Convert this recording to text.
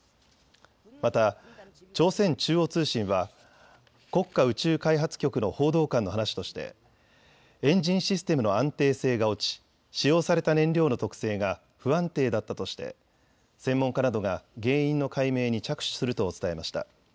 また朝鮮中央通信は国家宇宙開発局の報道官の話としてエンジンシステムの安定性が落ち使用された燃料の特性が不安定だったとして専門家などが原因の解明に着手すると伝えました。